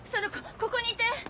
ここにいて！